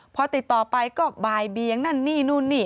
พอติดต่อไปก็บ่ายเบียงนั่นนี่นู่นนี่